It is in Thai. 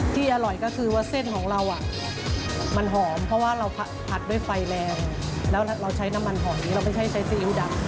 ที่อร่อยก็คือว่าเส้นของเรามันหอมเพราะว่าเราผัดด้วยไฟแรงแล้วเราใช้น้ำมันหอมเราไม่ใช่ไซสซีอิ๊วดำ